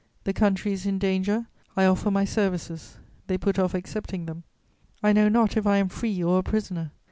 The country is in danger, I offer my services; they put off accepting them. I know not if I am free or a prisoner.